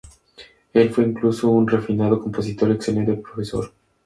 Él fue incluso un refinado compositor y excelente profesor.